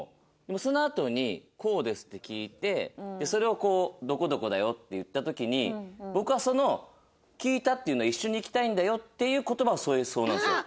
そのあとに「こうです」って聞いてそれを「どこどこだよ」って言った時に僕はその「聞いたっていうのは一緒に行きたいんだよ」っていう言葉を添えそうなんですよ。